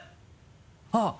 あっ！